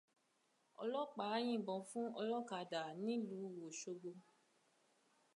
Ọlọ́pàá yìnbọn fún ọlọ́kadà nílùú Òṣogbo.